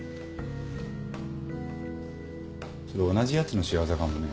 それ同じヤツの仕業かもね。